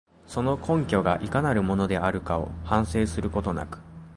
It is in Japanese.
その根拠がいかなるものであるかを反省することなく、